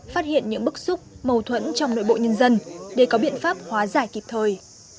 phát hiện những bức xúc mâu thuẫn trong nội bộ nhân dân để có biện pháp hóa giải kịp thời